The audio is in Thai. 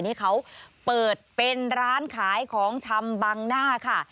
นี่เขาเปิดเป็นร้านขายของชำบังหน้าค่ะ